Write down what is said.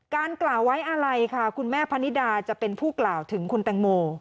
กล่าวไว้อะไรค่ะคุณแม่พนิดาจะเป็นผู้กล่าวถึงคุณแตงโม